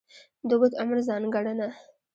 د اوږد عمر ځانګړنه.